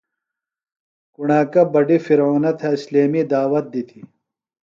کُݨاکہ بڈیۡ فرعونہ تھےۡ اِسلیمی دعوت دِتیۡ۔